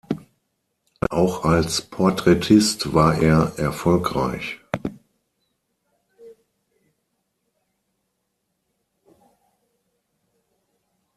Auch als Porträtist war er erfolgreich.